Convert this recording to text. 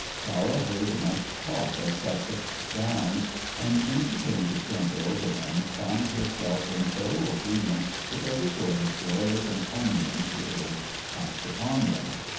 Tara heard much talk of Sussex Downs, and when she came to scamper over them, found herself in thorough agreement with every sort of joyous encomium she heard passed upon them.